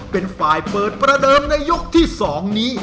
เป็นฝ่ายเปิดประเดิมในยกที่๒นี้